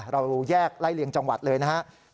เราแยกไล่เลียงจังหวัดเลยนะครับ